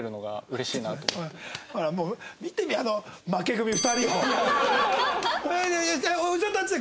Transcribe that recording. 見てみあの負け組２人を。